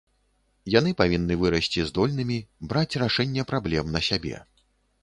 Яны павінны вырасці здольнымі браць рашэнне праблем на сябе.